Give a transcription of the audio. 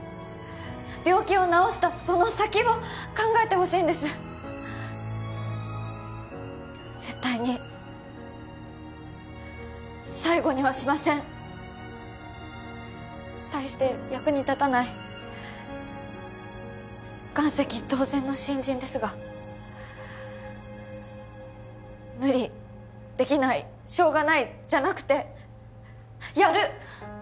病気を治したその先を考えてほしいんです絶対に最後にはしません大して役に立たない岩石同然の新人ですが「無理」「できない」「しょうがない」じゃなくて「やる！」